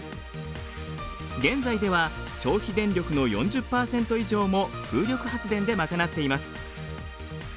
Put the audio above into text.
現在では消費電力の４０％以上も風力発電で賄っています。